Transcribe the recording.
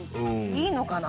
いいのかな？